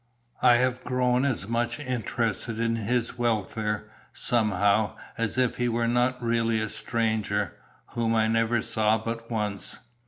I have grown as much interested in his welfare, somehow, as if he were not really a stranger, whom I never saw but once."